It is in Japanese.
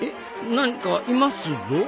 何かいますぞ。